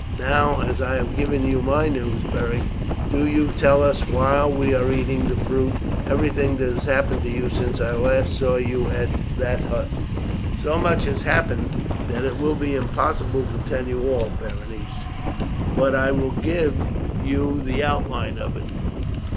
Now, as I have given you my news, Beric, do you tell us, while we are eating the fruit, everything that has happened to you since I last saw you at that hut." "So much has happened that it will be impossible to tell you all, Berenice; but I will give you the outline of it.